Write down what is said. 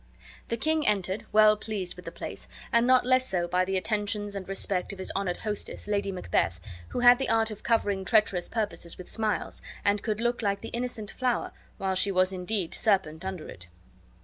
The king entered, well pleased with the place, and not less so with the attentions and respect of his honored hostess, Lady Macbeth, who had the art of covering treacherous purposes with smiles, and could look like the innocent flower while she was indeed serpent under it.